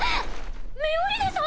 ミオリネさん！